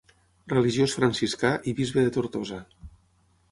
Religiós franciscà i bisbe de Tortosa.